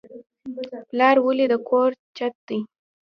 پلار ولې د کور چت دی؟